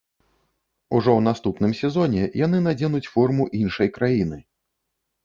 Ужо ў наступным сезоне яны надзенуць форму іншай краіны.